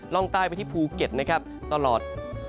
ร่องใต้ไปที่ภูเก็ตนะครับตลอด